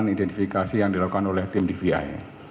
identifikasi yang dilakukan oleh tim dvi